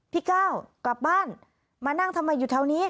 พี่ก้าวกลับบ้านมานั่งทำไมอยู่แถวนี้